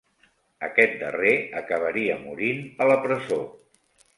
Aquest darrer acabaria morint a la presó.